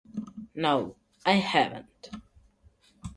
No, I haven't.